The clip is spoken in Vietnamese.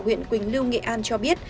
huyện quỳnh lưu nghệ an cho biết